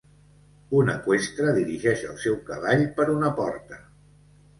Un eqüestre dirigeix el seu cavall per una porta.